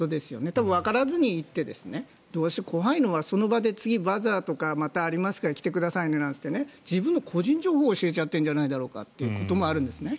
多分わからずに行って怖いのはその場で次、バザーとかまたありますから来てくださいねなんて言って自分の個人情報を教えちゃっているんじゃないだろうかっていうこともあるんですね。